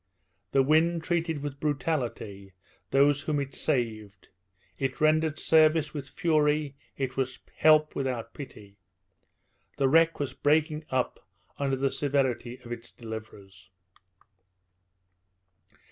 The wind treated with brutality those whom it saved; it rendered service with fury; it was help without pity. The wreck was breaking up under the severity of its deliverers.